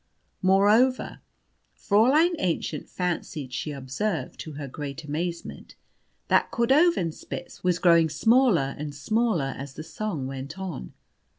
Moreover, Fräulein Aennchen fancied she observed, to her great amazement, that Cordovanspitz was growing smaller and smaller as the song went on.